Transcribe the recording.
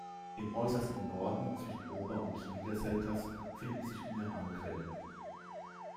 Im äußersten Norden zwischen Ober- und Niederselters finden sich Mineralquellen.